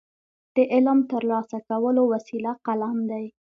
د علم ترلاسه کولو وسیله قلم دی.